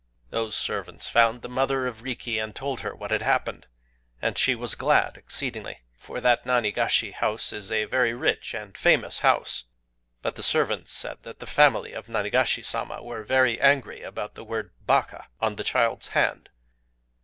"Those servants found the mother of Riki, and told her what had happened; and she was glad exceedingly—for that Nanigashi house is a very rich and famous house. But the servants said that the family of Nanigashi Sama were very angry about the word 'Baka' on the child's hand.